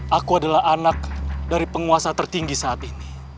dan aku adalah anak dari penguasa tertinggi saat ini